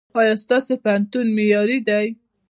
ایا ستاسو پوهنتون معیاري دی؟